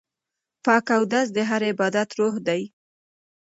پاک اودس د هر عبادت روح دی.